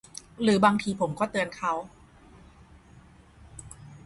หรือบางทีผมก็เตือนเขา